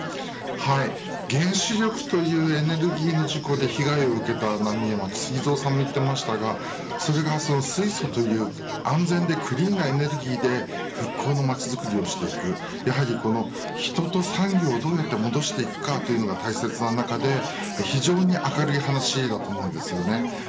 原子力というエネルギーの事故で被害を受けた浪江町ＳＵＧＩＺＯさんも言っていましたが水素という安全でクリーンなエネルギーで復興の街づくりをしていくやはり人と産業をどうやって戻していくかというのが大切な中で、非常に明るい話だと思います。